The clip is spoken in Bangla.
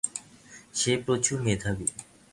সে প্রচুর মেধাবী।